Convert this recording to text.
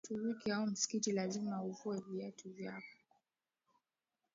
Waturuki au msikiti lazima uvue viatu vyako